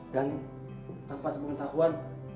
dan tanpa sepengetahuan